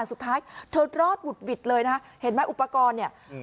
สุดท้ายเธอรอดหวุดหวิดเลยนะเห็นไหมอุปกรณ์เนี่ยอืม